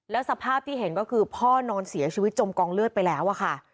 แล้วสภาพที่เห็นก็คือพ่อนอนเสียชีวิตจมกองเลือดไปแล้วอะค่ะ